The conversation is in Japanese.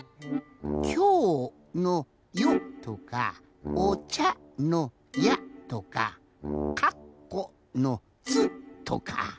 「きょう」の「ょ」とか「おちゃ」の「ゃ」とか「かっこ」の「っ」とか。